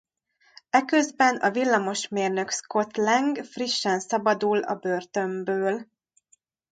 Eközben a villamosmérnök Scott Lang frissen szabadul a börtönből.